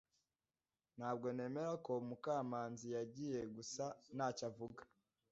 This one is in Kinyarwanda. Ntabwo nemera ko Mukamanzi yagiye gusa ntacyo avuga.